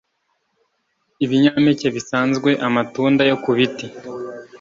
Ibinyampeke bisanzwe amatunda yo ku biti